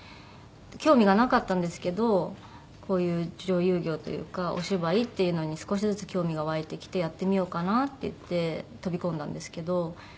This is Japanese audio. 興味がなかったんですけどこういう女優業というかお芝居っていうのに少しずつ興味が湧いてきてやってみようかなっていって。